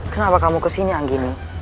kenapa kamu kesini anggini